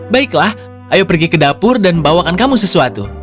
baiklah ayo pergi ke dapur dan bawakan kamu sesuatu